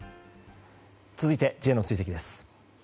続いてＪの追跡です。